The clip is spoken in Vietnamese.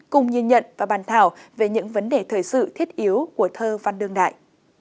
cùng nhìn nhận và bàn thảo về những vấn đề thời sự thiết yếu của thơ văn đương đại